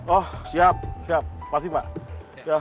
oh siap siap pasti pak